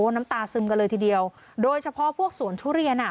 น้ำตาซึมกันเลยทีเดียวโดยเฉพาะพวกสวนทุเรียนอ่ะ